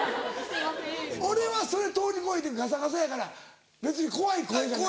俺はそれ通り越えてガサガサやから別に怖い声じゃない。